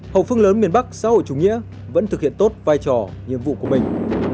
hậu phương lớn miền bắc xã hội chủ nghĩa vẫn thực hiện tốt vai trò nhiệm vụ của mình